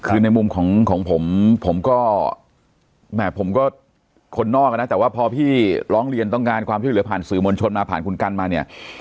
คือในมุมของผมผมก็แหม่ผมก็คนนอกอ่ะนะแต่ว่าพอพี่ร้องเรียนต้องการความช่วยเหลือผ่านสื่อมวลชนมาผ่านคุณกันมาเนี่ย